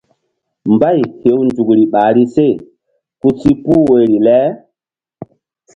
Mbay hew nzukri ɓahri se ku si puh woyri le.